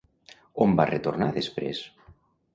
On va retornar després?